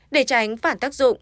để tránh phản tác dụng